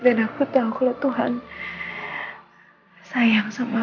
dan aku tahu kalau tuhan sayang sama aku